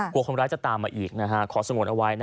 กลัวคนร้ายจะตามมาอีกขอสงวนเอาไว้